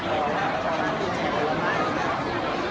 การรับความรักมันเป็นอย่างไร